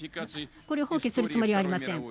これを放棄するつもりはありません。